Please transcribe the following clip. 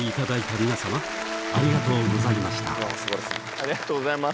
ありがとうございます。